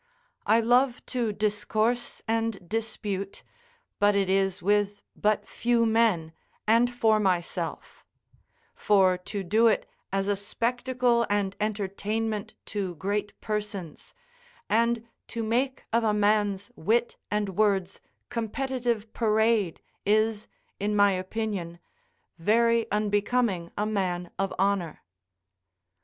I love to discourse and dispute, but it is with but few men, and for myself; for to do it as a spectacle and entertainment to great persons, and to make of a man's wit and words competitive parade is, in my opinion, very unbecoming a man of honour.